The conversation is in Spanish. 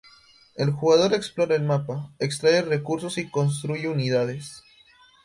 El jugador explora el mapa, extrae recursos y construye unidades.